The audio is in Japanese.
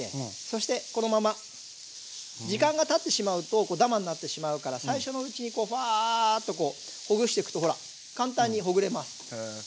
そしてこのまま時間がたってしまうとダマになってしまうから最初のうちにバーッとほぐしていくとほら簡単にほぐれます。